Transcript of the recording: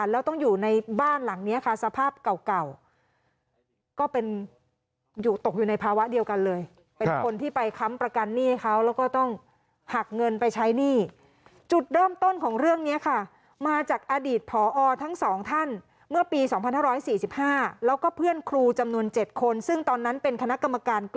แล้วตอนนี้ต้องการแบกรับภาระหนี้ที่ครูผู้หญิงคนนึงเนี่ยตามรายงานบอกเป็นแม่ของดาราชายคนนึงเนี่ยสองท่านนี้ต้องอยู่อย่างยากลำบากค่ะ